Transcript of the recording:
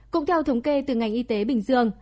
cũng theo thống kê từ ngành y tế bình dương